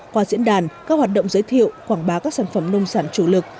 qua diễn đàn các hoạt động giới thiệu quảng bá các sản phẩm nông sản chủ lực